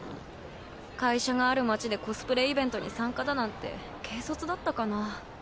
会社がある街でコスプレイベントに参加だなんて軽率だったかな